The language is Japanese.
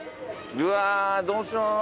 うわどうしよう。